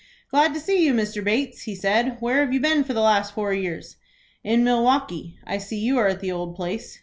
"Glad to see you, Mr. Bates," he said. "Where have you been for the last four years?" "In Milwaukie. I see you are at the old place."